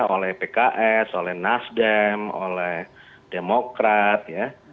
oleh pks oleh nasdem oleh demokrat ya